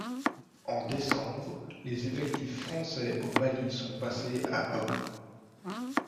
En décembre, les effectifs français au Mali sont passés à hommes.